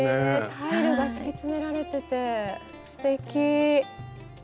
タイルが敷き詰められててすてき。